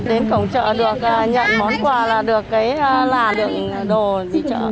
đến cổng chợ được nhận món quà là được cái là được đồ đi chợ